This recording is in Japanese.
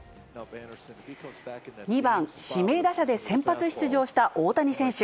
２番指名打者で先発出場した大谷選手。